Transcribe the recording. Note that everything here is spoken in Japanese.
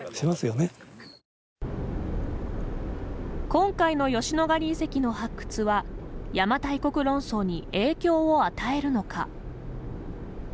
今回の吉野ヶ里遺跡の発掘は邪馬台国論争に影響を与えるのか。